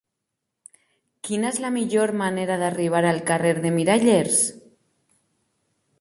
Quina és la millor manera d'arribar al carrer de Mirallers?